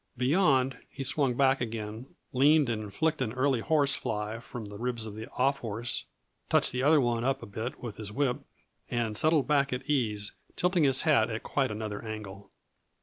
Beyond, he swung back again, leaned and flicked an early horse fly from the ribs of the off horse, touched the other one up a bit with his whip and settled back at ease, tilting his hat at quite another angle.